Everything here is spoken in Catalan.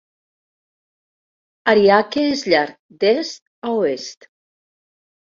Ariake és llarg d'est a oest.